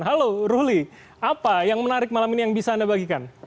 halo ruli apa yang menarik malam ini yang bisa anda bagikan